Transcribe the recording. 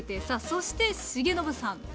さあそして重信さん。